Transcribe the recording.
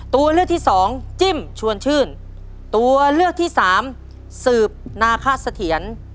ตัวเลือกที่สองจิ้มชวนชื่นตัวเลือกที่สามสืบนาคสะเทียน